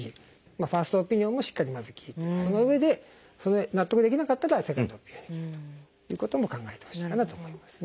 ファーストオピニオンをしっかりまず聞いてそのうえでそれで納得できなかったらセカンドオピニオンで聞くということも考えてほしいかなと思いますね。